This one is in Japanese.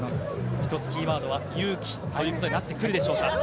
一つ、キーワードは勇気ということになってくるでしょうか。